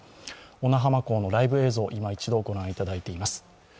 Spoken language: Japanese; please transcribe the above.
小名浜港のライブ映像、いま一度ご覧いただいています。